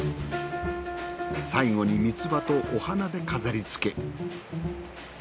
最後に三つ葉とお花で飾り付け。